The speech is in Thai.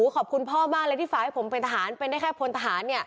ขอบคุณพ่อมากที่ฝากให้ผมเป็นทหาร